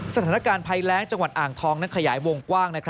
สถานการณ์ภัยแรงจังหวัดอ่างทองนั้นขยายวงกว้าง